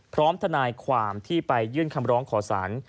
ทนายความที่ไปยื่นคำร้องขอสาร